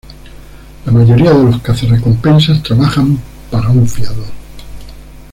La mayoría de los cazarrecompensas trabajan para un fiador.